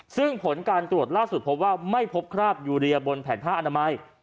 ซึ่งผลการตรวจล่าสุดพบว่าไม่พบคราบยูเรียบนแผนผ้าอนามัย